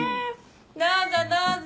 どうぞどうぞ。